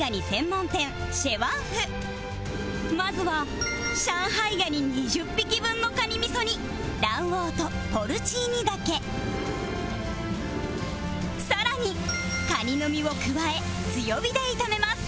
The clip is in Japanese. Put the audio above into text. まずは上海ガニ２０匹分のカニ味噌に卵黄とポルチーニ茸更にカニの身を加え強火で炒めます